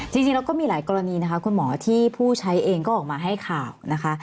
จริงแล้วก็มีหลายกรณีนะคะคุณหมอที่ผู้ใช้เองก็ออกมาให้ข่าวนะคะ